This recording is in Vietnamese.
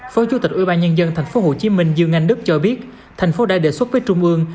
phó chủ tịch ubnd thành phố hồ chí minh dương anh đức cho biết thành phố đã đề xuất với trung ương